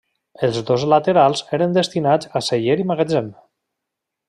Els dos laterals eren destinats a celler i magatzem.